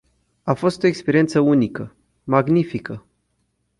A fost o experiență unică, magnifică.